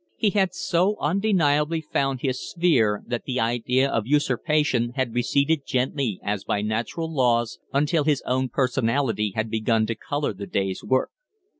He had so undeniably found his sphere that the idea of usurpation had receded gently as by natural laws, until his own personality had begun to color the day's work.